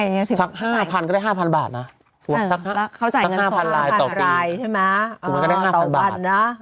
เราวาดรับทั้ง๕๐๐๐บาทต่อปีเราก็ได้๕๐๐๐บาท